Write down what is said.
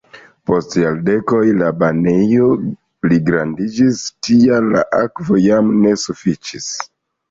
Post jardekoj la banejo pligrandiĝis, tial la akvo jam ne sufiĉis.